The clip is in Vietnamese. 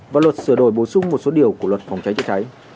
và luật sửa đổi bổ sung một số điều của luật phòng cháy chữa cháy